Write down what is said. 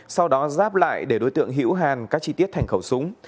sau đó ráp lại để đối tượng hữu hàn các chi tiết thành khẩu súng